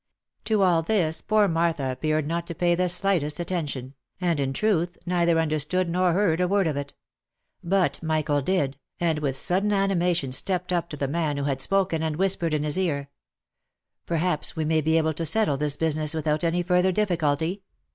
To all this poor Martha appeared not to pay the slightest attention, and, in truth, neither understood nor heard a word of it; but Michael did, and with sudden animation stepped up to the man who had spoken, and whispered in his ear, " Perhaps we may be able to settle this business without any further difficulty.